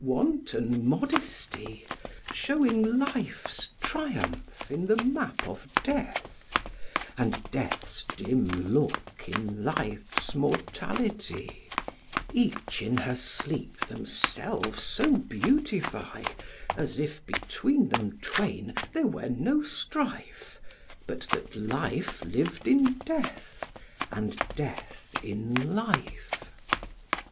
wanton modesty! Showing life's triumph in the map of death, And death's dim look in life's mortality: Each in her sleep themselves so beautify, As if between them twain there were no strife, But that life lived in death, and death in life.